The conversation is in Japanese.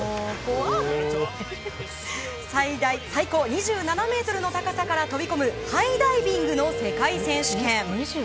最高２７ｍの高さから飛び込むハイダイビングの世界選手権。